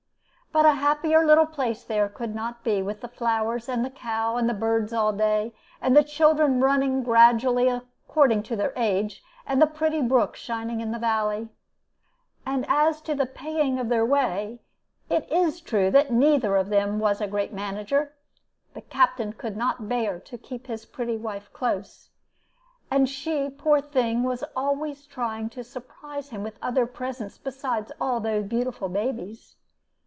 But a happier little place there could not be, with the flowers, and the cow, and the birds all day, and the children running gradually according to their age, and the pretty brook shining in the valley. And as to the paying of their way, it is true that neither of them was a great manager. The Captain could not bear to keep his pretty wife close; and she, poor thing, was trying always to surprise him with other presents besides all the beautiful babies.